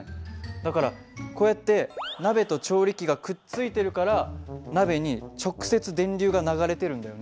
だからこうやって鍋と調理器がくっついてるから鍋に直接電流が流れてるんだよね。